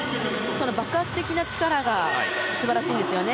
爆発的な力が素晴らしいんですよね。